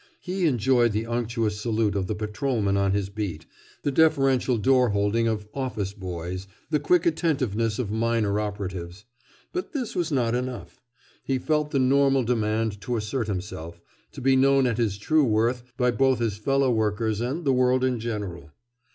He enjoyed the unctuous salute of the patrolman on his beat, the deferential door holding of "office boys," the quick attentiveness of minor operatives. But this was not enough. He felt the normal demand to assert himself, to be known at his true worth by both his fellow workers and the world in general.